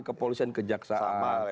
ke polisi dan ke jaksaan